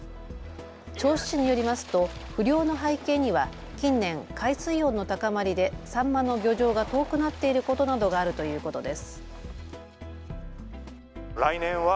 銚子市によりますと不漁の背景には近年、海水温の高まりでサンマの漁場が遠くなっていることなどがあるということです。